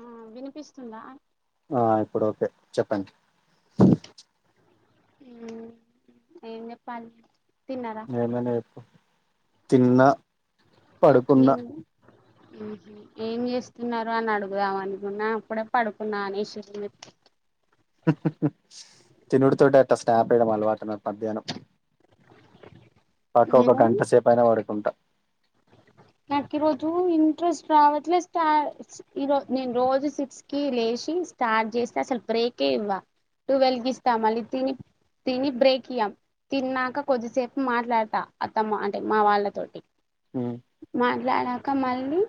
ఆ వినిపిస్తుందా ఆ ఇప్పుడు ఓకే చెప్పండి ఉమ్ ఏం చెప్పాలి తిన్నారా ఏమైన చెప్పు తిన్నా పడుకున్నా ఆహ ఏం చేస్తున్నరు అని అడుగుదాం అనుకున్నా అప్పుడే పడుకున్నా అనేసిర్రు మీరు తినడు తోటే అట్ట స్నాప్ ఏయడం అలవాటు నాకు మధ్యాహ్నం పక్క ఒక నేను గంట సేపయినా పడుకుంటా నాకు ఈ రోజు ఇంట్రెస్ట్ రావట్లేదు స్ట ఈ నేను రోజు సిక్స్ కి లేషి స్టార్ట్ చేస్తే అసలు బ్రేకే ఇవ్వ టువెల్కి ఇస్తా మళ్ళీ తిని తిని బ్రేక్ ఇగ తిన్నాక కొద్దిసేపు మాట్లాడతా అత్తమ్మ అంటే మా వాళ్ళతోటి హ మాట్లాడాక మళ్ళీ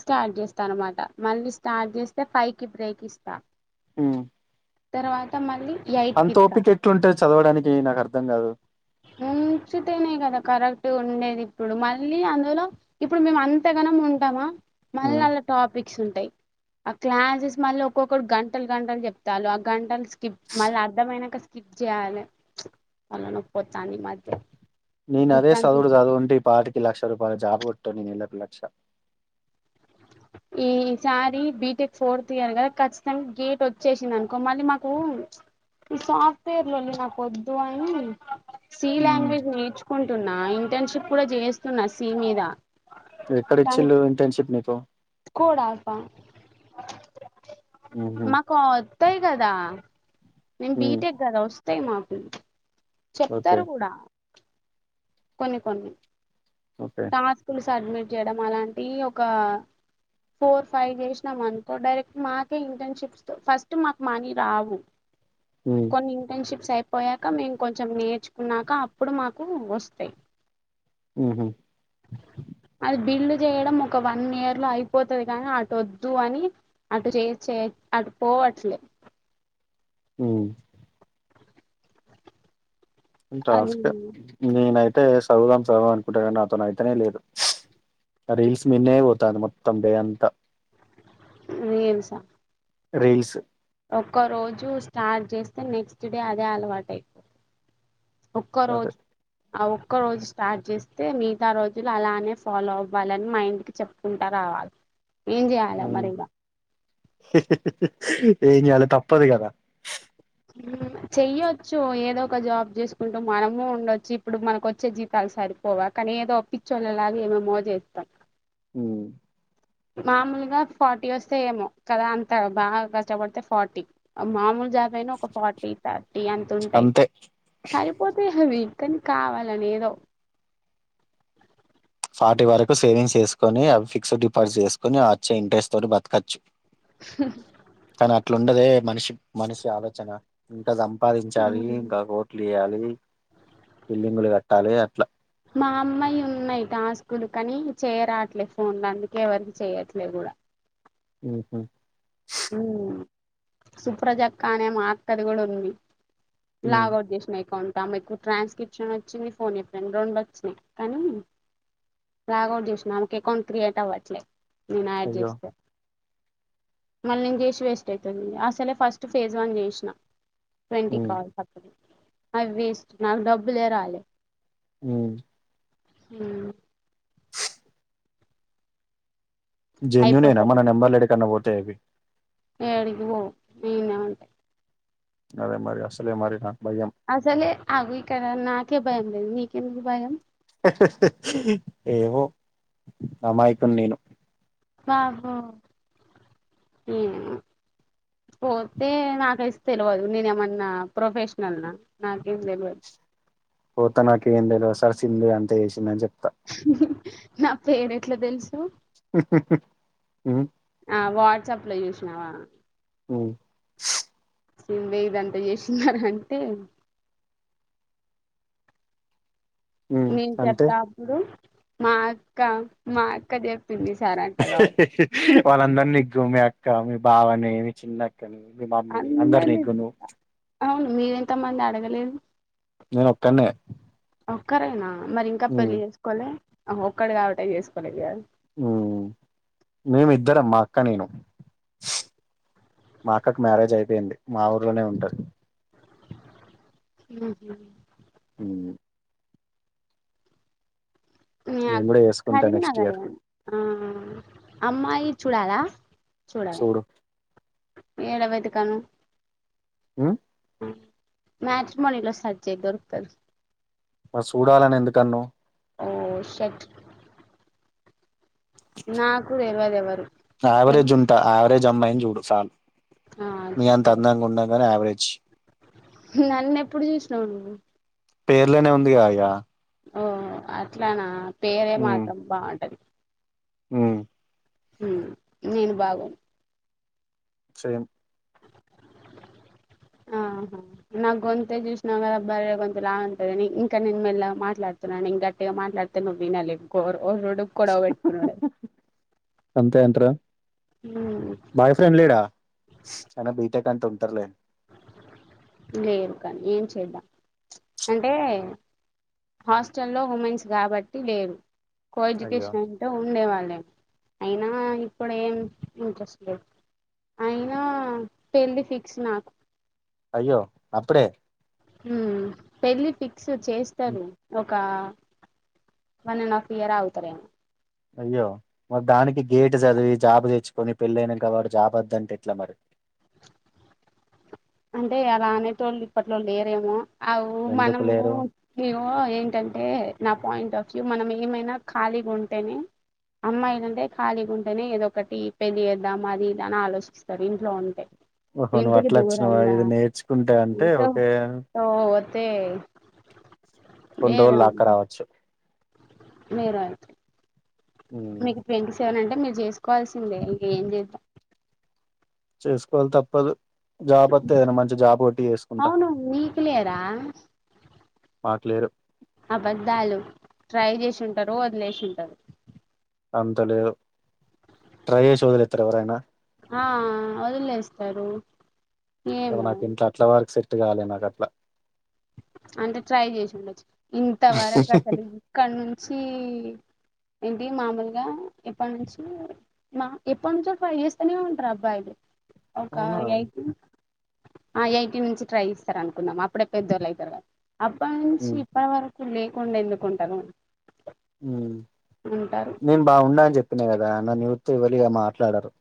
స్టార్ట్ చేస్తా అన్నమాట మళ్ళ స్టార్ట్ చేస్తే ఫైవ్ కి బ్రేక్ ఇస్తా ఉ తర్వాత మళ్లీ ఎయిట్ కిత్త ఎట్లుంటది చదవడానికి నాకు అర్థం కాదు మంచి త్తేనే కదా కరెక్ట్గ ఉండేది ఇప్పుడు మళ్ళీ అందులో ఇప్పుడు మేము అంతగనం ఉంటమా మళ్ళీ ఉమ్. అల్లా టాపిక్స్ ఉంటాయి ఆ క్లాసెస్ మళ్ళీ ఒక్కొక్కడు గంటలు గంటలు చెప్తాళ్ళు ఆ గంటలు స్కిప్ మళ్ళీ అర్థమయినంక స్కిప్ చేయాలే తలనొప్పి ఒత్తాంది ఈమధ్య నేను అదే చదువుడు చదివి ఉంటే పాటికి లక్ష రూపాయల జాబ్ కొట్టేటోన్ని నెలకు లక్ష ఈసారి బీటెక్ ఫోర్త్ ఇయర్ కదా ఖచ్చితంగా గేట్ వచ్చేసింది అనుకో మళ్ళీ మాకు ఈ సాఫ్ట్వేర్లన్ని నాకొద్దు అని సి ఉమ్. లాంగ్వేజ్ నేర్చుకుంటున్నా ఇంటర్న్షిప్ కూడా చేస్తున్నా సి మీద కానీ ఎక్కడిచ్చిళ్ళు ఇంటర్న్షిప్ నీకు కోడ్ ఆల్ఫా ఉహు, మాకు వస్తయి కదా నేను ఉమ్, బీటెక్ కదా వస్తయి మాకు ఓకే చెప్తరు కూడా కొన్ని కొన్ని ఓకే టాస్కులు సబ్మిట్ చేయడం అలాంటి ఒక ఫోర్ ఫైవ్ చేసినం అనుకో డైరెక్ట్ మాకే ఇంటర్న్షిప్స్ ఫస్ట్ మాకు మనీ రావు ఉమ్, కొన్ని ఇంటర్న్షిప్స్ అయి పోయాక మేము కొంచెం నేర్చుకున్నాక అప్పుడు మాకు వస్తాయి ఉహు అది బిల్డ్ చేయడం ఒక వన్ ఇయర్ లో అయిపోతది కానీ అటోద్దు అని అటు చేయచ్చ అటు పోవచ్చు లే అ అది టాస్క నేనైతే చదువుదాం చదువుదాం అనుకుంటానీ కానీ నాతోను అయితేనే లేదు రీల్స్ మీినే పోతంది మొత్తం డే అంత ఏమిసా రీల్స్ ఒక్క రోజు స్టార్ట్ చేస్తే నెక్స్ట్ డే అదే అలవాటు అయిపోతుంది అదే ఒక్కరోజు అవు ఒక్క రోజు స్టార్ట్ చేస్తే మిగతా రోజులు అలానే ఫాలో అవ్వాలని మైండ్ కి చెప్పుకుంటా రావాలి ఏం చేయాలా మరి ఏమి ఇగ చేయాలి తప్పదు కదా చెయ్యొచ్చు ఏదో ఒక జాబ్ చేసుకుంటూ మనము ఉండొచ్చు ఇప్పుడు మనకు వచ్చే జీతాలు సరిపోవా కానీ ఏదో పిచ్చొల్ల లాగా ఏమేమో చేస్తాం హు మామూలుగా ఫార్టీ వస్తే ఏమో కదా అంత బాగా కష్టపడితే ఫార్టీ మామూలుగా జాబయినా ఒక ఫార్టీ థర్టీ అంత ఉంటాయి అంతే సరిపోతే అవి కానీ కావాలని ఏదో పాార్టి వరకు సేవింగ్స్ చేసుకొని అవి ఫిక్స్డ్ డిపాజిట్ చేసుకొని వచ్చే ఇంట్రెస్ట్ తోటి బతకచ్చు [unintelligible] ఇట్లాండదే మనిషి మనిషి ఆలోచన ఇంకా సం పాదించాలి ఉమ్ ఇంకా కోట్లు వేయాలి బిల్డింగులు కట్టాలి అట్లా మా అమ్మ యి ఉన్నాయి టాస్కుల్ కానీ చేయరాట్లేదు ఫోన్లో అందుకే ఎవరికి చేయట్లేదు కూడా ఉహు ఉ సుప్రజక్క అనే మాక్కది కూడా ఉంది ఉమ్, లాగ్ ఔట్ చేసినా అకౌంట్ ఆమెకు ట్రాన్స్క్రిప్షన్ వచ్చింది ఫోన్ ఏ ఫ్రెండ్ రెండు వచ్చినాయి కానీ లాగౌట్ చేసిన ఆమెకు అకౌంట్ క్రియేట్ అవ్వట్లే నేను యాడ్ అయ్యో చేస్తే మళ్ళీ నేను చేసి వేస్ట్ అవుతది అసలే ఫస్ట్ ఫేజ్ వన్ చేసినా ట్వంటీ ఉమ్, కాల్స్ అప్పుడే అవి వేస్ట్ నాకు డబ్బులే రాలే హు హు జెన్యూన్ ఏ నా అయిపోతది మన ఇక నెంబర్ లేెడకన్నా పోతే అవి ఏడికి [unintelligible] అరే మరి అస్సలే మరి కా అసలే అగ ఇక్కడ నాకే భయంం లేదు మీకెందుకు భయం ఏవో అమాయకు నేను వాహో ఏ పోతే నాకే తెల్వదు నేను ఏమన్నా ప్రొఫెషనల్ నా నాకేం తెల్వదు పోత నాకు ఏం తెల్వదు సార్ సింధు ఏ అంతా చేసింది సార్ అని చెప్తా నా పేరు ఎట్లా తెలుసు [unintelligible] ఊ వాట్సప్ లో చూసినావా హు సిందే ఇదంతా చేసినారు అంటే హ్మ్ నేను అంటే చెప్తా అప్పుడు మా అక్క మా అక్క చెప్ వాళ్ళందరు నిగ్గు మీ అక్క మీ బావనే మీ చిన్నక్క నీ మమ్మీని అందరిని నిగ్గు నువ్వు మీరు ఎంత మంది అడగలేదు నిన్నొక్కన్నే ఒక్కరేనా మరి ఇంకా పెళ్ళి చేసుకోలేి ఒక్కడు కాబట్టి చేసుకోలేదు ఉ మేమిద్దరమ్ మా అక్క నేను మా అక్కకి మ్యారేజ్ అయిపోయింది మా ఊర్లోనే ఉంటారు ఉ హ ఆ నేను కూడా చేసుకుంటా నెక్స్ట్ ఇయర్ కరీంనగర్ే ఆ అమ్మాయి చూడాలా చూడాలి చూడు ఏడవైతే కాను ఆ మచ్ మనీలో సజజయి దొరుకదు మ చూడాలని ఎందుకన్ను ఓ షట్ నా కూడాడ ఇల్వద ఎవరు యావరేజ్ తెలు ఉంటా యావరేజ్ అమ్మాయిని చూడు చాలు ఆ మ అంత చూస్తలే అందంగా ఉన్నాం కానీ యావరేజ్ నన్ను ఎప్పుడు చూసినావు పేర్లోనే ఉందిగా అక ఓ అట్లానా పేరే మాత్రం బాగుంటది ఆ నేను బాగను నిశయం ఆహా నాకు గొంత చూసిన కదా బర కొంత లాగా ఉంటందిని ఇంకా నేను మెల్ల మాట్లాడుతున్నాను ఇంకా టిగా మాట్లాడుతానువనాలిడు కూడాొడవ పెట్టుకున్నాడు అంత అంత బాయ్ ఫ్రెండ్ లేలీడా బ ే కంట ఉంటలే లేదు కానీ ఏం చేద్దాం అంటే హాస్టల్లో ఉమెన్స్ కాబట్టి లేరు కో అయ్యో ఎడ్యుకేషన్ంటో ఉండే వాళ్ళే అయినా ఇప్పుడ ఏం ఇంట్రెస్ట్ లేదు అయినా పెళ్ళి ఫిక్స్ నాకు అయ్యో అప్పుడే పెళ్ళి ఫిక్స్ చేస్తారు ఒక వన్ అండ్ హాఫ్ ఇయర్ అవుతారేమో అయ్యో మరి దానికి గేటు చదివి జాబ్ు తెచ్చుకొని పెళ్ళయినా కా వాడు జాబ్ వద్దంటే ఎట్లా మరి అంటే అలా అనేటోళ్ళు ఇప్పట్లో లేరేమో అవు ఎందుకు మనము లేరు నము ఏంటంటే నా పాయింట్ ఆఫ్ వ్యూ మనం ఏమైనా ఖాళీగా ఉంటేనే అమ్మాయిలంటే ఖాళీగా ఉంటేనే ఏదో ఒకటి పెళ్ళ వేద్దామా అది ఇదా అని ఆలోచిస్తారు ఇంట్లో ఉంటే ఓహో నువ్వు ఇంటికి అట్లా వచ్చినవా దూరంగా ఇది నేర్చుకుంటే అంటే ఏదో ఒకఓే సో పోతే కొన్ని రోజులు లాక్క రావచ్చు నేరయతే ఉమ్, మీకు ట్వంటీ సెవెన్ అంటే మీరు చేసుకోవాల్సిందే ఇంక ఏం చేద్దా చేసుకోవాలి తప్పదు జాబ్ వస్తా ఏదనా మంచి జాబ్ కొట్టి చేసుకుంటా అవును మీకు లేరా మాట్లేరు అబద్ధాలు ట్రై చేసింటారు వదిలేసింటారు అంత లే ట్రై చేసి వదులే ఇత్ర ఎవరయినా ఆ వదిలేస్తారు ఇవ ఏమో నాకు ఇంట్ అట్లా వరకు సెట్ కవాలి నాకు అట్లా అంటే ట్రై చేసిండచ్చు ఇంతవరకు అసలు ఇక్కడ నుంచి ఏంటి మామూలుగా ఎప్పటి నుంచి మా ఎప్పటి నుంచో ఫైవ్ చేస్తనే ఉంటారు అబ్బాయిలు ఒక అవునా ఉమ్, ఎయిటీ ఎయిటీ నుంచి ట్రై ఇస్తార అనుకుందాం అప్పుడ పెద్దోళ్ళు అయితారు కదా అప్పటి నుంచి ఇప్పటి వరకు లేకుండా ఎందుకుంటారు ఉంటారు నేను బాగుండ అని చెప్పినా కదా నన్ను చుతే ఏవ్వరిగా మాట్లాడరు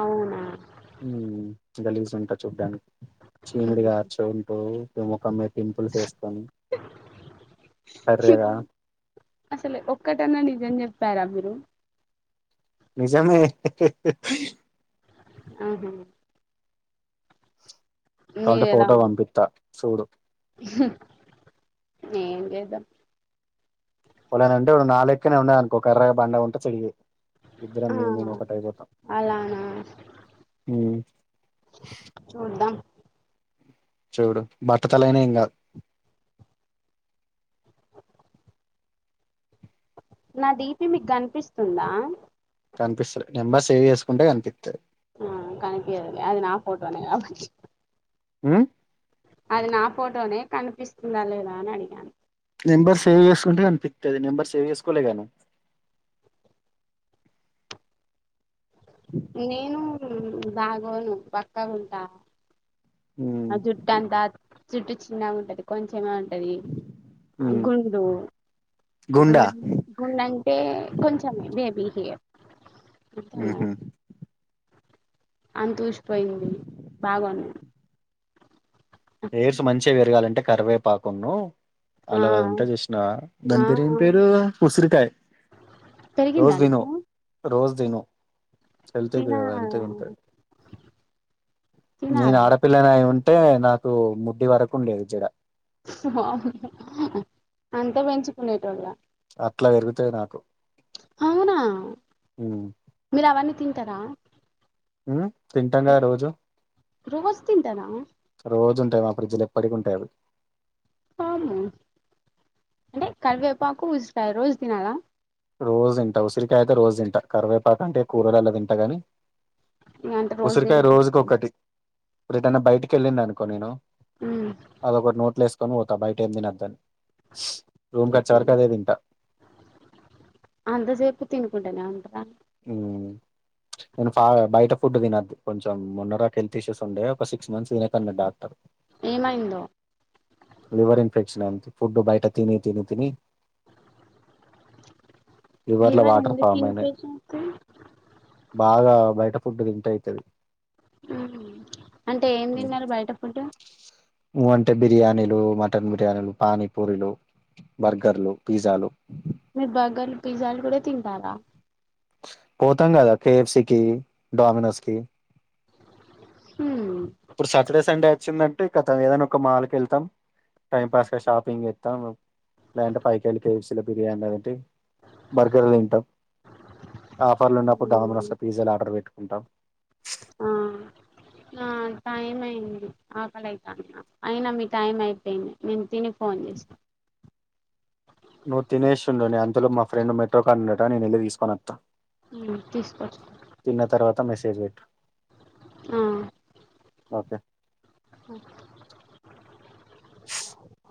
అవునా గలిసి ఉంటా చూడనికి ఉమ్. చీమీడిగారుచి ఉంటూ ముఖం పింపుల్స్ వేసుకొని కర్రెగా అసలు ఒక్కటన్నా నిజం చెప్పారా మీరు నిజామే ఆహ కావాలంటే మీరేలా ఫోటో ఉన్న పంపిత్తా చూడు ఏం లేదుా ఒకడు ఉంటాడు అంటే నాలేక్కనే ఉన్నాడు అనుకో కర్రగా బండగా [unintelligible] ఇద్దరం ఆ మేము మేము ఒకటయిపోతాం అలానా అవున చూడు బట్టతలయిన ఏం కాదు నా డి పి మీకు కనిపిస్తుందా కనిపిస్తలే నెంబర్ సేవ్ చేసుకుంటే కనిపిస్తది ఆ కనిపియా అది నా ఫోటో నే కాబట్టి హ్మ్ అది నా ఫోటోనే కనిపిస్తుందా లేదా అని అడిగాను నెంబర్ సేవ్ చేసుకుంటే కనిపిస్తారు నెంబర్ సేవ్ చేసుకోలే క నువ్వు నేను బాగోను బక్కగా ఉంటా ఉమ్ ఆ జుట్టు అంతా జుట్టు చిన్నగా ఉంటది కొంచెం కొంచెమే ఉంటది ఉమ్ గుడు గు గుండా గుండ అంటే కొంచెమే బేబీ హెయిర్ హూ హు అంతూసిపోయింది బాగున్నా ఎయిర్స్ మంచిగా పేరగాలంటే కరివేపాకున్ను ఆ అలాది ఉంటా చిసినవ ఆ దాని పేరు ఏం పేరు ఉసిరికాయ పెరిగిందా నీకు తుని తినా [unintelligible] నేను తినాలా ఆడపిల్లనాయి ఉంటె టే నాకు ముడ్డి వరకుండేది జడ అంతా పెంచుకునేతొడివ అట్లా పెరుగుతది నాకు అవునా ఉమ్ మీరు అవన్నీ తింటారా తింటాంగా రోజు రోజు తింటారా రోజు మా ఫ్రిడ్జిలు ఎప్పటికి ఉంటయి అవి ఆవున అంటే కల్వేపాకు ఉసిరికాయ రోజు తినాలా రోజు తింట ఉసిరికాయ అయితే రోజు తింట కరివేపాకు అంటే కూరలల్ తింట గాని ఇగ అంత రోజు ఉసిరికాయ తింటే జుట్టు పెరుగు రోజుకొకటి ఇప్పుడెటన్న బయటికి వెళ్ళినా అనుకో నేను అదొటి నోట్లు వేసుకొని పోతా బయట ఏమి తనద్దని రూమ్ కాచే మ్మ్ వరకదేదింట అందసేపు తికుంటనే ఉంటారా హ్మ్ నేను ఫ బయట ఫుడ్ తినద్దు కొంచెం మొన్నదాక హెల్త్ ఇష్యూస్ ఉండే ఒక సిక్స్ మంత్స్ తినేకు అన్నాడు డాక్టర్ ఏమైందో లివర్ ఇన్ఫెక్షన్ అంత ఫుడ్ బయట తిని తని తిని లివర్ల లివర్ వాటర్ ఎందుకు ఫాం అయినాయి ఇన్ఫెక్షన్ వస్తది బాగా బయట ఫుడ్ తింటె అయితది అంటే ఏం తిన్నరు బయట ఫుడ్ నువ్వు అంటే బిర్యానీలు, మటన్ బిర్యానీలు, పానీపూరిలు, బర్గర్లు, పిజ్జాలు మీరు బర్గర్లు, పిజ్జాలు కూడా తింటారా. పోతాం కదా కేఎఫ్సికి, డామినోస్ కి. హ్ ఇప్పుడు సాటర్డే సండే అచ్చిందంటే కతం ఏదన్నా ఒక మాల్కి వెళ్తం. టైం పాస్ గా షాపింగ్ చేస్తాం లేదంటే పైకెళ్ళి కేఎఫ్సీల బిర్యానీ అదేంటి బర్గర్లు తింటం. ఆఫర్లు ఉన్నప్పుడు డామినోస్లా పిజ్జాలు ఆర్డర్ పెట్టు కుంటాం. ఆ ఆ టైం అయింది ఆకలయితాంది నాకు. అయినా మీ టైం అయిపోయింది. నేను తిని ఫోన్ చేస్తా. నువ్వు తినేసి ఉండు నేను అంతలోపు మా ఫ్రెండ్ మెట్రో కాడ ఉండట నేను వెళ్లి తీసుకొని అత్తా. హ్ తీసుకచ్చుకో. ఫేవరేట్ ఆ ఇంకా అ